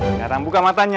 sekarang buka matanya